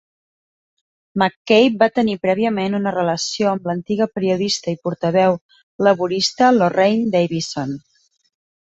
McCabe va tenir prèviament una relació amb l'antiga periodista i portaveu laborista Lorraine Davidson.